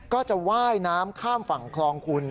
ว่าจะว่ายน้ำข้ามฝั่งคลองคุณ